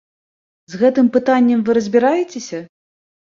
З гэтым пытаннем вы разбіраецеся?